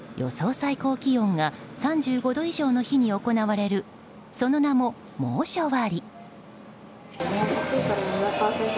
最高気温が３５度以上の日に行われるその名も、猛暑割。